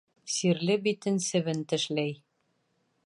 Сирле битен себен тешләй.